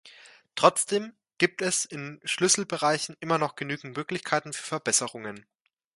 Trotzdem gibt es in Schlüsselbereichen immer noch genügend Möglichkeiten für Verbesserungen.